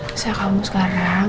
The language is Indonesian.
bisa kamu sekarang